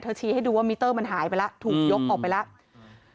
ชี้ให้ดูว่ามิเตอร์มันหายไปแล้วถูกยกออกไปแล้ว